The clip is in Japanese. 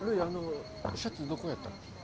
あのシャツどこやった？